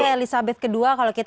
ratu elisabeth ii